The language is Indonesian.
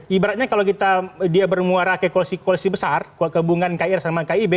ibaratnya kalau dia bermuara ke koalisi koalisi besar gabungan kir sama kib